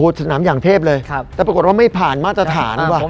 สนามอย่างเทพเลยครับแต่ปรากฏว่าไม่ผ่านมาตรฐานว่ะ